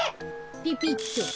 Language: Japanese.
ピピッと。